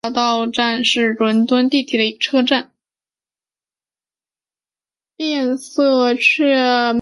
变色雀麦为禾本科雀麦属下的一个种。